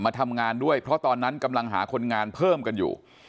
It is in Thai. ทำงานด้วยเพราะตอนนั้นกำลังหาคนงานเพิ่มกันอยู่